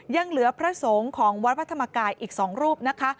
ยังเหลือพระสงฆ์ของวัดพระธรรมกายอีก๒รูปนะคะ